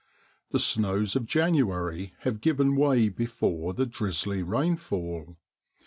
The snows of January have given way before the drizzly rainfall.